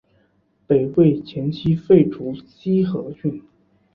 北魏前期废除西河郡。